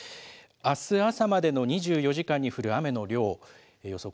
あす朝までの２４時間に降る雨の量、予想